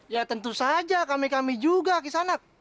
ya tentu saja kami kami juga kisanak